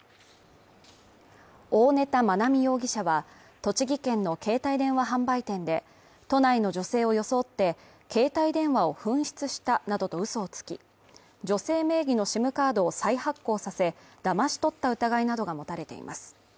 大根田愛美容疑者は栃木県の携帯電話販売店で都内の女性を装って携帯電話を紛失したなどとうそをつき、女性名義のＳＩＭカードを再発行させ、だまし取った疑いなどが持たれています。